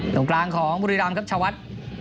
ตรงกลางของบุรีรำครับชาวัด